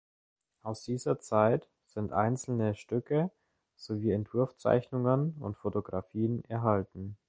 Aus dieser Zeit sind einzelne Stücke sowie Entwurfszeichnungen und Fotografien erhalten.